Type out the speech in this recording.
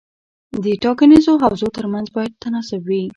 د ټاکنیزو حوزو ترمنځ باید تناسب وي.